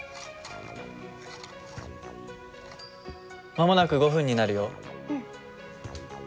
間もなく５分になるよ。